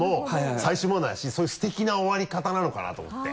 最終問題だしそういうすてきな終わり方なのかなと思って。